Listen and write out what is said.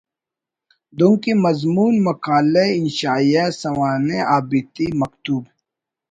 دُنکہ: مضمون، مقالہ، انشائیہ، سوانح، آپ بیتی، مکتوب